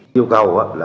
nhiều cầu là